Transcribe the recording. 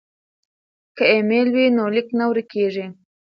که ایمیل وي نو لیک نه ورک کیږي.